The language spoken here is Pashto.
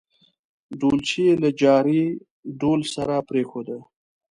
ډولچي یې له جاري ډول سره پرېښوده.